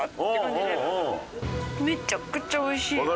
めちゃくちゃ美味しい！